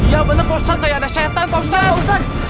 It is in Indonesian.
ya benar pak ustadz kayak ada syaitan pak ustadz